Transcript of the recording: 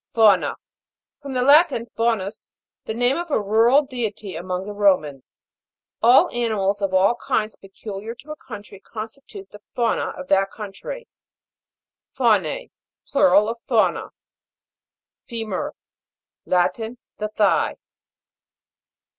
FAU'NA. From the Latin, faunus, the name of a rural deity among the Romans. All animals of all kinds peculiar to a country con stitute the fauna of that country. FAU'N.E. Plural of Fauna. FE'MUR. Latin. The thigh.